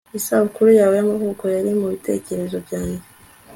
Isabukuru yawe yamavuko yari mubitekerezo byanjye